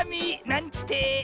なんちて。